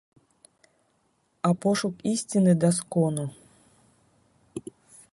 А пошук ісціны да скону.